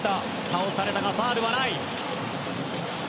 倒されたがファウルはない。